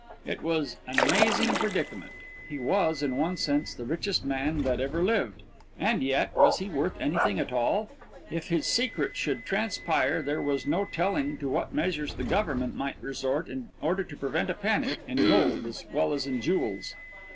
It was an amazing predicament. He was, in one sense, the richest man that ever lived and yet was he worth anything at all? If his secret should transpire there was no telling to what measures the Government might resort in order to prevent a panic, in gold as well as in jewels.